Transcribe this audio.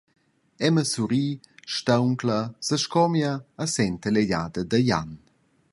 Emma surri, stauncla, sescomia e senta l’egliada da Jan.